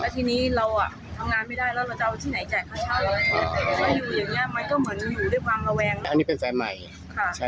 ที่นี่เราทำงานไม่ได้แล้วเราจะเอาที่ไหนจ่ายค่าเจ้า